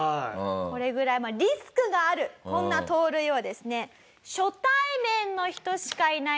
これぐらいリスクがあるこんな盗塁をですね。